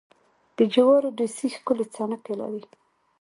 د جوارو ډېسې ښکلې څڼکې لري.